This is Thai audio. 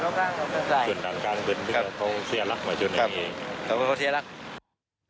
มีส่วนเรื่องการขึ้นที่ปัดทีนี้เขาเสียรักมาจนนี้